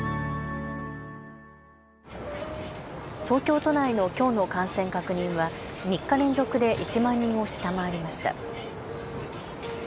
「東京都内の今日の感染確認は３日連続で１万人を下回りました」。